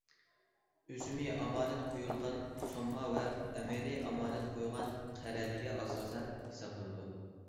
ئۆسۈمى ئامانەت قويۇلغان سومما ۋە ئەمەلىي ئامانەت قويغان قەرەلىگە ئاساسەن ھېسابلىنىدۇ.